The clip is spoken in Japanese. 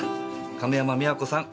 亀山美和子さん！